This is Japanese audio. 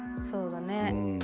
そうだね。